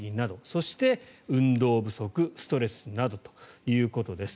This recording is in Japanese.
そして、運動不足ストレスなどということです。